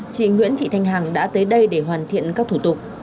chị nguyễn thị thanh hằng đã tới đây để hoàn thiện các thủ tục